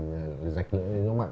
rồi rạch lưỡi dấu mặn